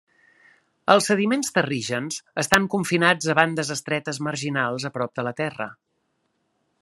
Els sediments terrígens estan confinats a bandes estretes marginals a prop de la terra.